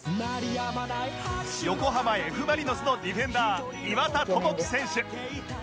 横浜 Ｆ ・マリノスのディフェンダー岩田智輝選手